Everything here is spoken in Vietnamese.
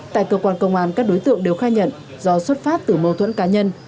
tại cơ quan công an các đối tượng đều khai nhận do xuất phát từ mâu thuẫn cá nhân